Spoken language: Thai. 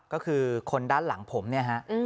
ก็คือคนด้านหลังผมเนี่ยฮะ